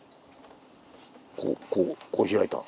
こうこうこう開いた。